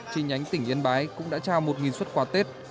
chi nhánh tỉnh yên bái cũng đã trao một xuất quà tết